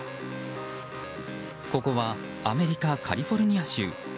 ここはアメリカ・カリフォルニア州。